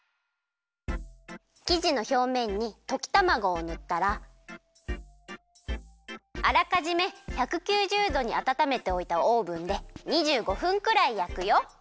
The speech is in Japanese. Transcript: きじのひょうめんにときたまごをぬったらあらかじめ１９０どにあたためておいたオーブンで２５分くらいやくよ。